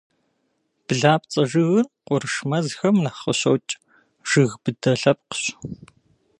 Блапцӏэ жыгыр къурш мэзхэм нэхъ къыщокӏ, жыг быдэ лъэпкъщ.